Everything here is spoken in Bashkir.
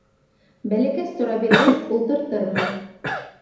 Бәләкәс тора биргәс ултыртырмын.